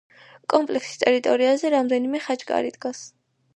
კომპლექსის ტერიტორიაზე რამდენიმე ხაჩკარი დგას.